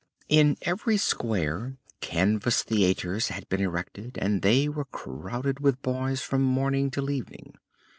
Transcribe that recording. In every square, canvas theaters had been erected and they were crowded with boys from morning till evening.